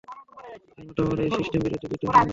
এর মাধ্যমে আমরা এই সিস্টেমের বিরুদ্ধে যুদ্ধ ঘোষণা করছি।